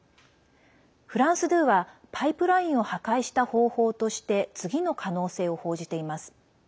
フランス２は、パイプラインを破壊した方法として次の可能性を報じています。